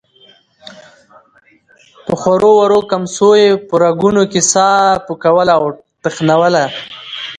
په خورو ورو کمڅو يې په رګونو کې ساه پوکوله او تخنوله.